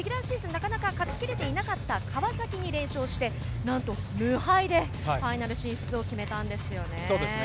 なかなか勝ちきれてなかった川崎に連勝して、なんと無敗でファイナル進出を決めたんですね。